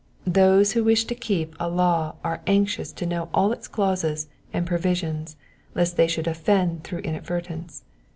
Those who wish to keep a law are anxious to know all its clauses and provisions lest they shouia ofiTend through inadvertence.